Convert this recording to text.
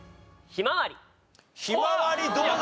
ひまわりどうだ？